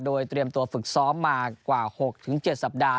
โดยเตรียมตัวฝึกซ้อมมากว่า๖๗สัปดาห